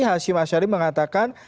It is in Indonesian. hashim ashari mengatakan